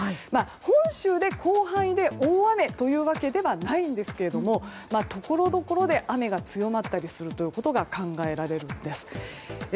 本州で広範囲で大雨というわけではないんですがところどころで雨が強まったりする可能性が考えられるんです。